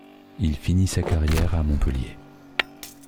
Il finit sa carrière à Montpellier.